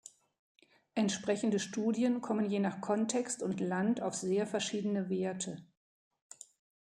Entsprechende Studien kommen je nach Kontext und Land auf sehr verschiedene Werte.